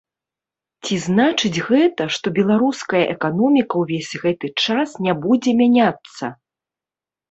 Ці значыць гэта, што беларуская эканоміка ўвесь гэты час не будзе мяняцца?